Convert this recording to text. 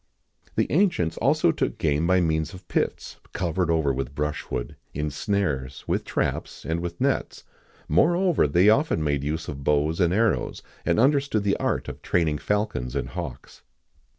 [XIX 27] The ancients also took game by means of pits covered over with brushwood, in snares,[XIX 28] with traps,[XIX 29] and with nets;[XIX 30] moreover, they often made use of bows and arrows, and understood the art of training falcons and hawks.